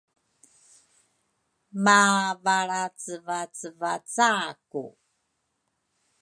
mavalracevacevacaku.